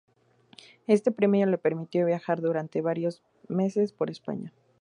Este premio le permitió viajar durante varios meses por España.